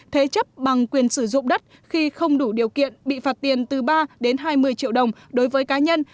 thế chấp bằng quyền sử dụng đất khi không đủ điều kiện bị phạt tiền từ ba đến hai mươi triệu đồng đối với cá nhân